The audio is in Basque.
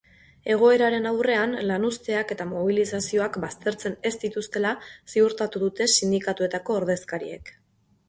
Egoeraren aurrean lanuzteak eta mobilizazioak baztertzen ez dituztela ziurtatu dute sindikatuetako ordezkariek.